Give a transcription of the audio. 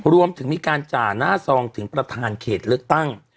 รวมถึงมีการจ่าหน้าซองถึงประธานเขตเลือกตั้ง